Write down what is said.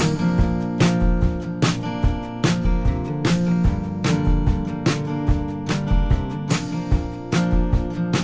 อาจจะความคิดคล้ายกันคือจริงก็อยู่ที่เรา